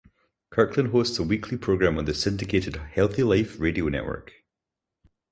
Kirkland hosts a weekly program on the syndicated HealthyLife Radio Network.